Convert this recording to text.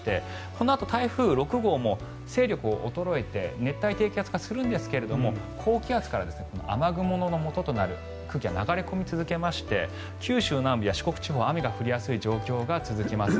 このあと台風６号も勢力が衰えて熱帯低気圧化するんですが高気圧から雨雲のもととなる空気が流れ込み続けまして九州南部や四国地方は雨が降りやすい状況が続きます。